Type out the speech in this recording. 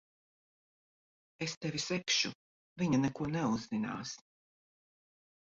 Es tevi segšu. Viņa neko neuzzinās.